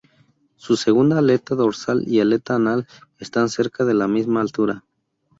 Su segunda aleta dorsal y aleta anal están cerca de la misma altura.